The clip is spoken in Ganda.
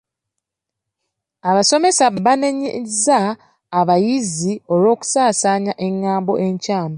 Abasomesa baanenyezza abayizi olw'okusaasaanya engambo enkyamu.